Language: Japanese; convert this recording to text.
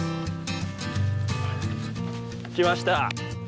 来ました。